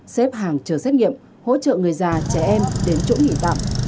xếp hàng chờ xét nghiệm hỗ trợ người già trẻ em đến chỗ nghỉ tạm